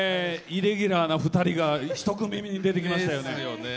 イレギュラーな２人が１組目に出てきました。